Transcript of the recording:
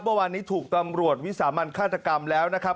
เมื่อวานนี้ถูกตำรวจวิสามันฆาตกรรมแล้วนะครับ